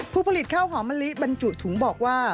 ผู้ผลิตข้าวหอมมะลิบรรจุถุงบอกว่า